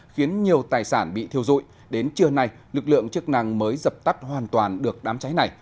khiến nhiều tài sản bị thiêu dụi đến trưa nay lực lượng chức năng mới dập tắt hoàn toàn được đám cháy này